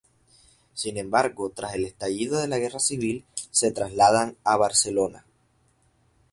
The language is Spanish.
Sin embargo, tras el estallido de la Guerra Civil se trasladan a Barcelona.